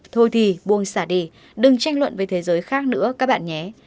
thôi thì buông xả đi đừng tranh luận với thế giới khác nữa các bạn nhé